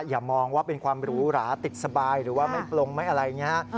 อย่ามองว่าเป็นความหรูหราติดสบายหรือว่าไม่ปลงไหมอะไรอย่างนี้ฮะ